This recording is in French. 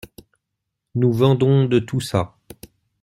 Nous vendons de tout ça.